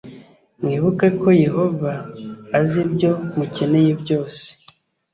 Mwibuke ko Yehova azi ibyo mukeneye byose